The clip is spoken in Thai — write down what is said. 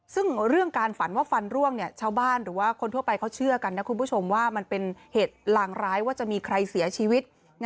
ซึ่งเรื่องการฝันว่าฟันร่วงชาวบ้านหรือว่าคนทั่วไปเขาเชื่อกันนะคุณผู้ชมว่ามันเป็นเหตุลางร้ายว่าจะมีใครเสียชีวิต